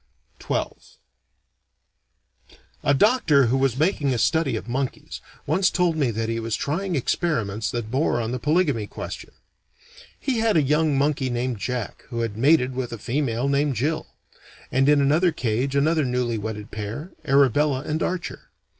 XII A doctor, who was making a study of monkeys, once told me that he was trying experiments that bore on the polygamy question. He had a young monkey named Jack who had mated with a female named Jill; and in another cage another newly wedded pair, Arabella and Archer.